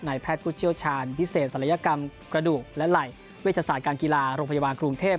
แพทย์ผู้เชี่ยวชาญพิเศษศัลยกรรมกระดูกและไหล่เวชศาสตร์การกีฬาโรงพยาบาลกรุงเทพ